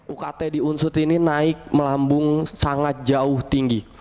ukt di unsut ini naik melambung sangat jauh tinggi